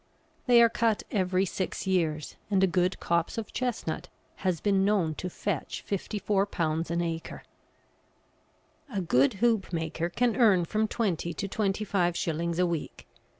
They are cut every six years, and a good copse of Chestnut has been known to fetch £54 an acre. A good hoop maker can earn from twenty to twenty five shillings a week.